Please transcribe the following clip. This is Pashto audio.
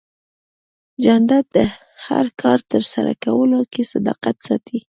جانداد د هر کار ترسره کولو کې صداقت ساتي.